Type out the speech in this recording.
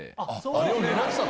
あれを狙ってた？